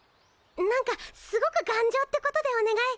何かすごくがんじょうってことでお願い。